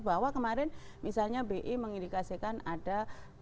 bahwa kemarin misalnya bi mengindikasikan ada